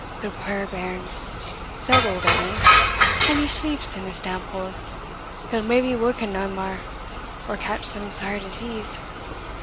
"The puir bairn!" said auld Edie, "an he sleeps in this damp hole, he'll maybe wauken nae mair, or catch some sair disease.